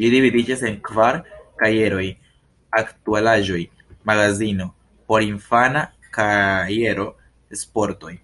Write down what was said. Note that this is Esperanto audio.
Ĝi dividiĝas en kvar kajeroj: “Aktualaĵoj“, “Magazino“, “Porinfana kajero“, “Sportoj“.